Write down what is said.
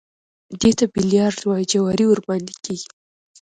دې ته بيليارډ وايي جواري ورباندې کېږي.